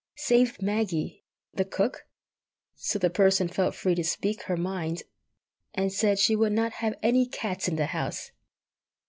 —save Maggie, the cook; so the Person felt free to speak her mind, and said she would not have any cats in the house.